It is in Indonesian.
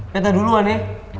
betta duluan ya